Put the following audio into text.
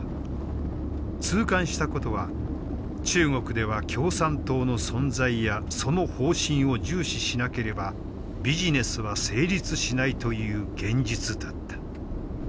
痛感したことは中国では共産党の存在やその方針を重視しなければビジネスは成立しないという現実だった。